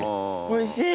おいしい。